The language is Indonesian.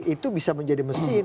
itu bisa menjadi mesin